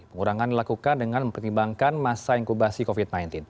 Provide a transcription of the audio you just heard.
pengurangan dilakukan dengan mempertimbangkan masa inkubasi covid sembilan belas